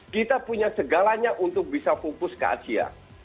kita punya segalanya untuk bisa fokus ke asia